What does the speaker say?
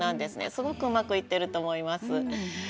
すごくうまくいっていると思います。